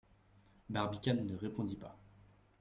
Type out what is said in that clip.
Barbicane ne répondit pas.